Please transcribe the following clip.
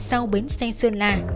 sau bến xe sơn la